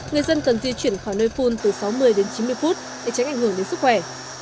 người dân cần di chuyển khỏi nơi phun từ sáu mươi đến chín mươi phút để tránh ảnh hưởng đến sức khỏe